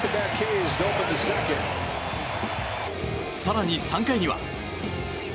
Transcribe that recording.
更に３回には。